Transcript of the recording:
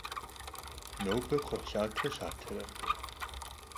Nobe kxhuhlhate lhatere?